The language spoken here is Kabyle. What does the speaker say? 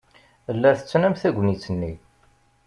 La tettnam tagnit-nni.